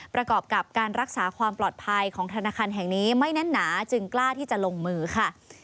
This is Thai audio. ประกอบกับการรักษาความปลอดภัยของธนาคารแห่งนี้ไม่แน่นหนาจึงกล้าที่จะลงมือค่ะ